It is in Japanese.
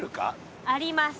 あります。